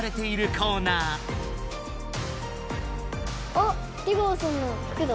あっ出川さんのふくだ。